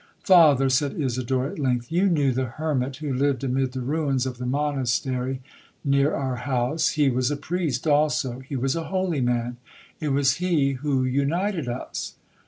'Father,' said Isidora at length, 'you knew the hermit who lived amid the ruins of the monastery near our house,—he was a priest also,—he was a holy man, it was he who united us!'